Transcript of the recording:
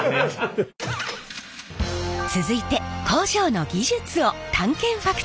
続いて工場の技術を探検ファクトリー！